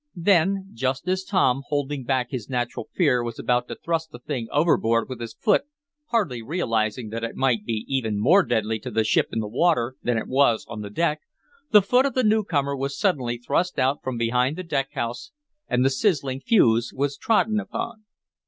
Then, just as Tom, holding back his natural fear, was about to thrust the thing overboard with his foot, hardly realizing that it might be even more deadly to the ship in the water than it was on the deck, the foot of the newcomer was suddenly thrust out from behind the deck house, and the sizzling fuse was trodden upon.